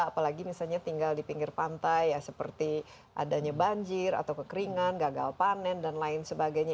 apalagi misalnya tinggal di pinggir pantai ya seperti adanya banjir atau kekeringan gagal panen dan lain sebagainya